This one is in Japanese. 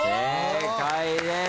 正解です。